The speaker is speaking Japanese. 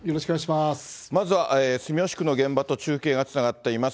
まずは住吉区の現場と中継がつながっています。